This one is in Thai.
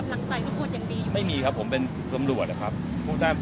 ผมไม่ได้ไปทำเกี่ยวข้องกับเว็บพนัน